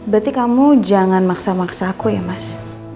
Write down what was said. berarti kamu jangan maksa maksa aku ya mas